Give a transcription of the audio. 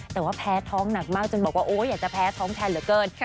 แต่ว่าแพ้ท้องหนักมากจนบอกว่าโอ้อยากจะแพ้ท้องแทนเหลือเกิน